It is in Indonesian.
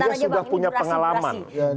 dia sudah punya pengalaman